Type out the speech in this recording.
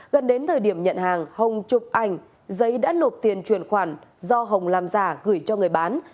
gần đến thời điểm nhận hàng hồng chụp ảnh giấy đã nộp tiền chuyển khoản do hồng làm giả gửi cho người bán